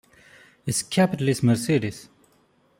Its capital is Mercedes.